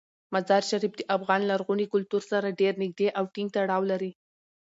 مزارشریف د افغان لرغوني کلتور سره ډیر نږدې او ټینګ تړاو لري.